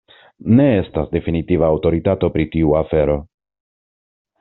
Ne estas definitiva aŭtoritato pri tiu afero.